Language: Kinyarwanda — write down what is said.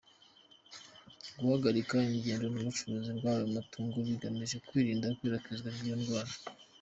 Guhagarika ingendo n’ ubucuruzi bw’ ayo matungo bigamije kwirinda ikwirakwirzwa ry’ iyo ndwara.